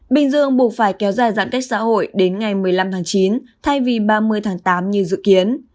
bình dương buộc phải kéo dài giãn cách xã hội đến ngày một mươi năm tháng chín thay vì ba mươi tháng tám như dự kiến